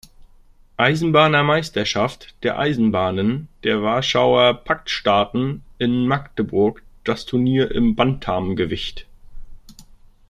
Eisenbahner-Meisterschaft der Eisenbahnen der Warschauer Pakt-Staaten in Magdeburg das Turnier im Bantamgewicht.